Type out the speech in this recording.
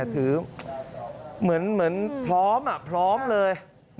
ทืมแหมะถือเหมือนพร้อมค่ะพร้อมเลย